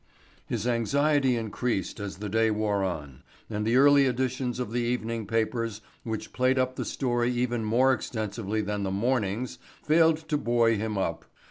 His anxiety increased as the day wore on and the early editions of the evening papers which played up the story even more extensively than the "mornings" failed to buoy him up.